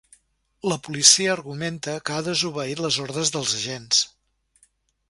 La policia argumenta que ha desobeït les ordres dels agents.